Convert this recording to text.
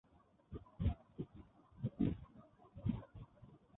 ডানার শীর্ষভাগ চওড়া কালো।